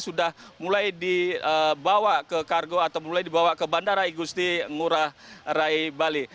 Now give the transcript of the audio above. sudah mulai dibawa ke kargo atau mulai dibawa ke bandara igusti ngurah rai bali